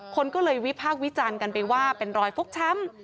คนก็เลยวิพากษ์วิจารณ์กันไปว่าเป็นรอยฟกช้ำ